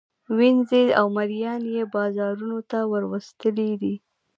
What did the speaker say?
وینزې او مرییان یې بازارانو ته وروستلي دي.